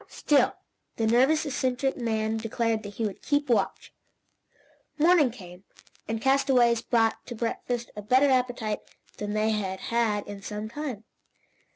Still the nervous, eccentric man declared that he would keep watch. Morning came, and castaways brought to breakfast a better appetite than they had had in some time.